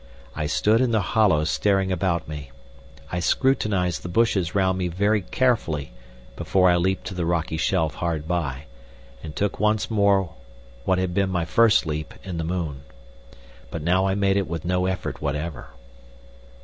I stood in the hollow staring about me. I scrutinised the bushes round me very carefully before I leapt to the rocky shelf hard by, and took once more what had been my first leap in the moon. But now I made it with no effort whatever.